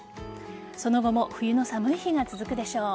その後も冬の寒い日が続くでしょう。